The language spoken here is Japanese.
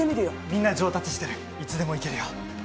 みんな上達してるいつでもいけるよ